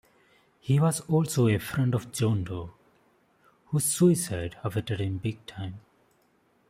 He was also a friend of Jon Dough, whose suicide affected him big time.